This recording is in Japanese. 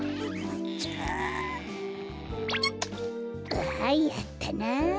あやったな。